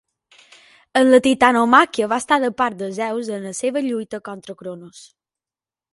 En la Titanomàquia va estar de part de Zeus en la seva lluita contra Cronos.